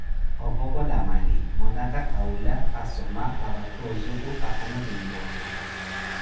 ovokola mali, mwanaka awula, asoma apattha ozuku, aphano kintta opuha.